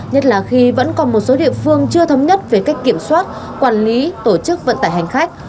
nhất là khi vẫn còn một số địa phương chưa thống nhất về cách kiểm soát quản lý tổ chức vận tải hành khách